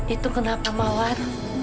itu kenapa mawar